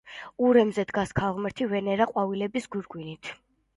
ურემზე დგას ქალღმერთი ვენერა ყვავილების გვირგვინით.